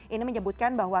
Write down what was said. ini menyebutkan bahwa